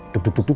tuk tuk tuk tuk